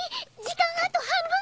時間あと半分？